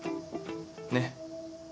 ねっ？